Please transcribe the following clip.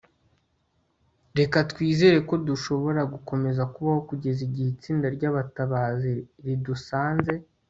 reka twizere ko dushobora gukomeza kubaho kugeza igihe itsinda ryabatabazi ridusanze